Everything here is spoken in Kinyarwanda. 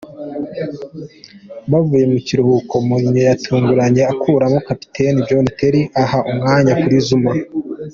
Bavuye mu kiruhuko, Mourinho yatunguranye akuramo kapiteni John Terry aha umwanya Kurt Zouma.